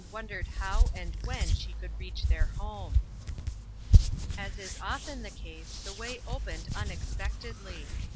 wondered how and when she could reach their home. As is often the case, the way opened un expectedly.